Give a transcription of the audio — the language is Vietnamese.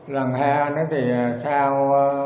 lần hai nó thì sao